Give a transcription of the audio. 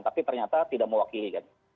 tapi ternyata tidak mewakili kan